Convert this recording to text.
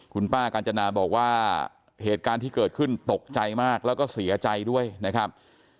คุณป้ากาญจนาบอกว่าเหตุการณ์ที่เกิดขึ้นตกใจมากแล้วก็เสียใจด้วยนะครับ